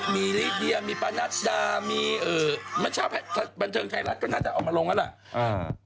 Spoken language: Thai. มีฤดเดียมีประนัสดามีเอ่อบรรเทิงไทยรัสก็น่าจะออกมาลงงั้นแหละ